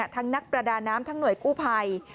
ทั้งนักประดาน้ำทั้งหน่วยกู้ภัย